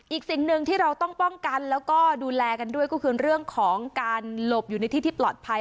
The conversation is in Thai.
อีกสิ่งหนึ่งที่เราต้องป้องกันแล้วก็ดูแลกันด้วยก็คือเรื่องของการหลบอยู่ในที่ที่ปลอดภัย